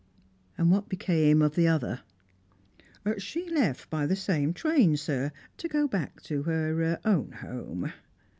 " And what became of the other ?"" She left by the same train, sir, to go back to her own home."